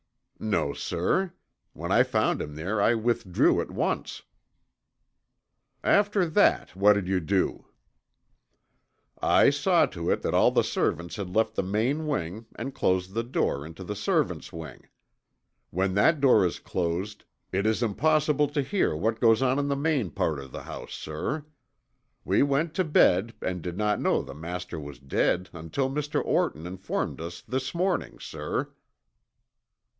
"No, sir. When I found him there I withdrew at once." "After that, what did you do?" "I saw to it that all the servants had left the main wing and closed the door into the servants' wing. When that door is closed it is impossible to hear what goes on in the main part of the house, sir. We went to bed and did not know the master was dead until Mr. Orton informed us this morning, sir."